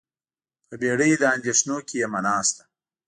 په بیړۍ د اندیښنو کې یمه ناسته